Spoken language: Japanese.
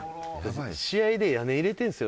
試合で屋根入れてるんですよ